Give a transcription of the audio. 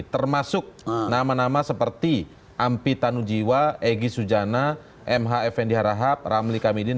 termasuk nama nama seperti ampi tanujiwa egy sujana mh effendi harahap ramli kamidin